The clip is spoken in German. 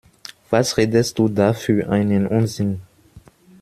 Was redest du da für einen Unsinn?